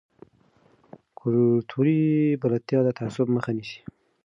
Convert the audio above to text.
کلتوري بلدتیا د تعصب مخه نیسي.